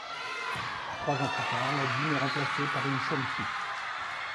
Trois ans plus tard, la dîme est remplacée par une somme fixe.